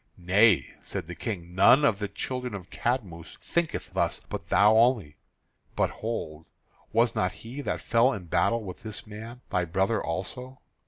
"Nay," said the King, "none of the children of Cadmus thinketh thus, but thou only. But, hold, was not he that fell in battle with this man thy brother also?"